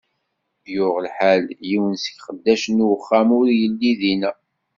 Yuɣ lḥal, yiwen seg iqeddacen n uxxam ur illi dinna.